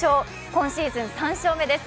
今シーズン３勝目です